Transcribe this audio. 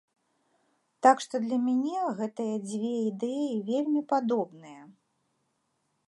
Так што для мяне гэтыя дзве ідэі вельмі падобныя.